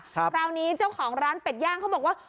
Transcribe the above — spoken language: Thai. คราวนี้เจ้าของร้านเป็ดย่างเขาบอกว่า